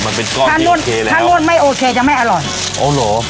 มันเป็นก้อนถ้านวดไม่โอเคยังไม่อร่อยอ๋อเหรอ